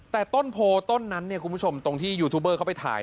แต่ต้นโพต้นนั้นเนี่ยคุณผู้ชมตรงที่ยูทูบเบอร์เขาไปถ่าย